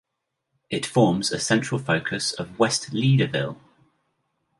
It forms a central focus of West Leederville.